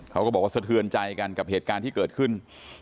เขาก็บอกว่าสะเทือนใจกันกับเหตุการณ์ที่เกิดขึ้น